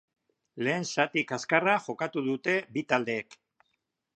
Lehen zati kaskarra jokatu dute bi taldeek.